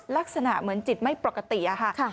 ลักษณะเหมือนจิตไม่ปกติค่ะ